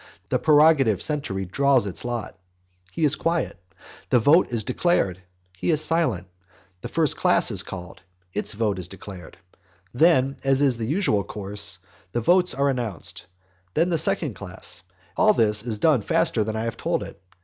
The prerogative century draws its lot. He is quiet. The vote is declared; he is still silent. The first class is called. Its vote is declared. Then, as is the usual course, the votes are announced. Then the second class. And all this is done faster than I have told it.